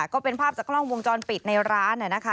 ก็เป็นภาพจากกล้องวงจรปิดในร้านนะคะ